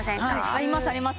ありますあります